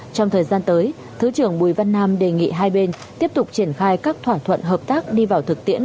trong thời gian tới thứ trưởng bùi văn nam đề nghị hai bên tiếp tục triển khai các thỏa thuận hợp tác đi vào thực tiễn